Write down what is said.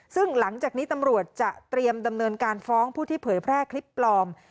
ซึ่งหลังจากนี้ตำรวจจะเตรียมดำเนินการฟ้องผู้ที่เผยแพร่คลิปปลอม